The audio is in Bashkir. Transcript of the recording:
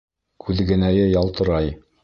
Күҙгенәйе ялтырай.